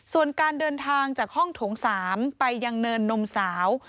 ส่วนการเดินทางจากห้องโถง๓ไปยังเนินนมสาว